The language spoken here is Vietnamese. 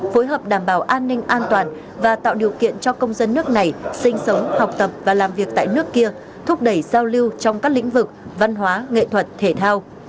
phối hợp đảm bảo an ninh an toàn và tạo điều kiện cho công dân nước này sinh sống học tập và làm việc tại nước kia thúc đẩy giao lưu trong các lĩnh vực văn hóa nghệ thuật thể thao